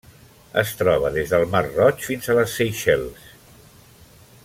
Es troba des del Mar Roig fins a les Seychelles.